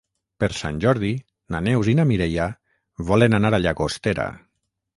Per Sant Jordi na Neus i na Mireia volen anar a Llagostera.